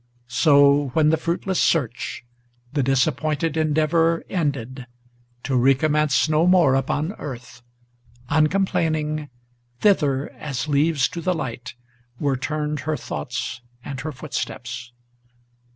So, when the fruitless search, the disappointed endeavor, Ended, to recommence no more upon earth, uncomplaining, Thither, as leaves to the light, were turned her thoughts and her footsteps.